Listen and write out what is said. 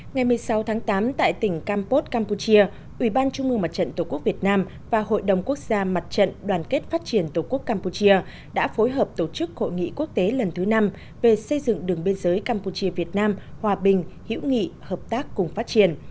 ngày một mươi sáu tháng tám tại tỉnh campos campuchia ủy ban trung mương mặt trận tổ quốc việt nam và hội đồng quốc gia mặt trận đoàn kết phát triển tổ quốc campuchia đã phối hợp tổ chức hội nghị quốc tế lần thứ năm về xây dựng đường biên giới campuchia việt nam hòa bình hữu nghị hợp tác cùng phát triển